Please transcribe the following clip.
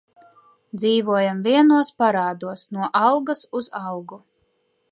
Dzīvojam vienos parādos, no algas uz algu.